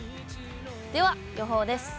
では予報です。